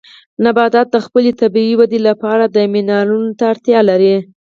نباتات د خپلې طبیعي ودې لپاره منرالونو ته اړتیا لري.